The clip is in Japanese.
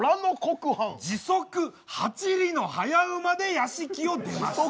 時速８里の早馬で屋敷を出ました。